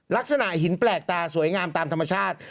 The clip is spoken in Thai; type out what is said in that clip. ลักษณะหินแปลกตาสวยงามตามธรรมชาติ